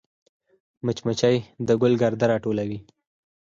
مچمچۍ د ګل ګرده راټولوي